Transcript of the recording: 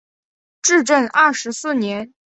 至正二十四年。